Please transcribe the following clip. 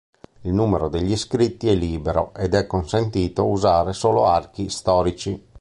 Il numero degli iscritti è libero ed è consentito usare solo archi storici.